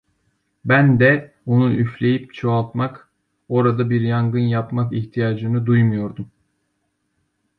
Ben de onu üfleyip çoğaltmak, orada bir yangın yapmak ihtiyacını duymuyordum…